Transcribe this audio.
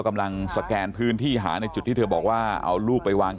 กำลังสแกนพื้นที่หาในจุดที่เธอบอกว่าเอาลูกไปวาง